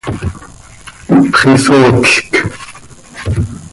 Ihpxisootlc.